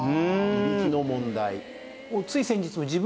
いびきの問題。